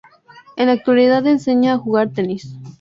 En la actualidad enseña a jugar tenis.